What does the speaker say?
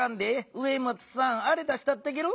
植松さんあれ出したってゲロ！